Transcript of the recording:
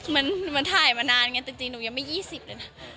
มันถ่ายมานานไงจริงหนูยังไม่๒๐เลยนะ